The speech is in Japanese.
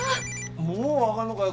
もう分がんのかよ